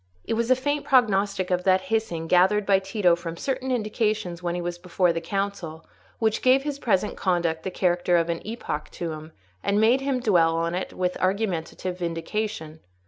It was a faint prognostic of that hissing, gathered by Tito from certain indications when he was before the council, which gave his present conduct the character of an epoch to him, and made him dwell on it with argumentative vindication.